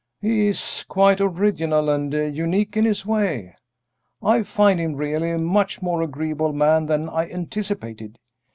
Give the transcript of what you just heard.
"He is quite original and unique in his way. I find him really a much more agreeable man than I anticipated.